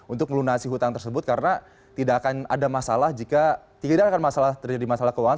untuk melunasi hutang tersebut karena tidak akan ada masalah jika tidak akan masalah terjadi masalah keuangan